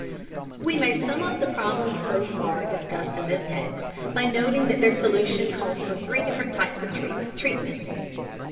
We may sum up the problems so far discussed in this text by noting that their solution calls for three different types of treatment.